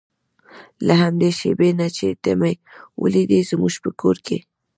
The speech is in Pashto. له همدې شېبې نه چې ته مې ولیدې زموږ په کور کې.